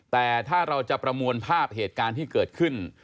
แต่ถ้าเราจะประมวลภาพเหตุการณ์ที่เกิดขึ้น